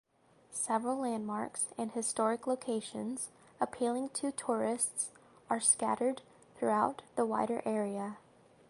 Several landmarks and historic locations appealing to tourists are scattered throughout the wider area.